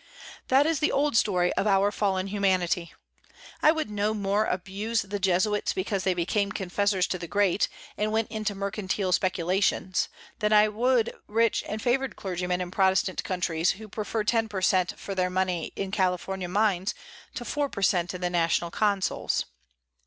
That is the old story of our fallen humanity. I would no more abuse the Jesuits because they became confessors to the great, and went into mercantile speculations, than I would rich and favored clergymen in Protestant countries, who prefer ten per cent for their money in California mines to four per cent in national consols.